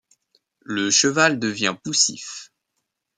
Le cheval devient poussif.